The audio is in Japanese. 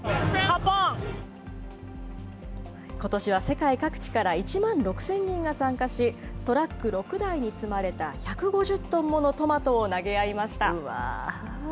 ことしは世界各地から１万６０００人が参加し、トラック６台に積まれた１５０トンものトマトを投げ合いました。